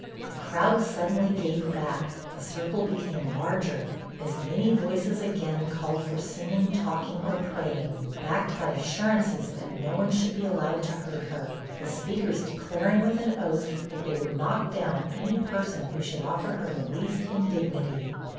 The crowd suddenly gave back, the circle became larger, as many voices again called for singing, talking, or praying, backed by assurances that no one should be allowed to hurt her the speakers declaring with an oath, that they would 'knock down ' any person who should offer her the least indignity.